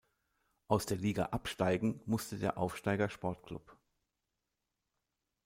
Aus der Liga absteigen musste der Aufsteiger Sportklub.